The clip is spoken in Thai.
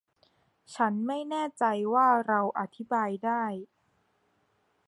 ฉันไม่แน่ใจว่าเราอธิบายได้